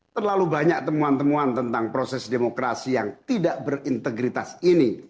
terlalu banyak temuan temuan tentang proses demokrasi yang tidak berintegritas ini